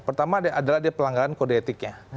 pertama adalah dia pelanggaran kode etiknya